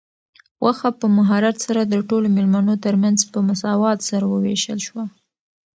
غوښه په مهارت سره د ټولو مېلمنو تر منځ په مساوات سره وویشل شوه.